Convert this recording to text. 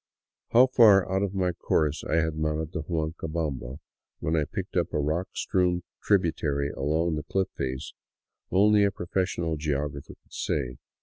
How far out of my course I had mounted the Huancabamba when I picked up a rock strewn tributary along the cliff face, only a pro fessional geographer could say.